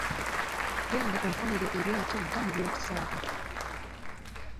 Genda onfunire eryato vva mu by'okusaaga.